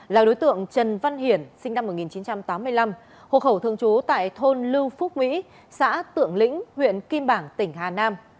là đối tượng trần văn hiển sinh năm một nghìn chín trăm tám mươi năm hộ khẩu thường trú tại thôn lưu phúc mỹ xã tượng lĩnh huyện kim bảng tỉnh hà nam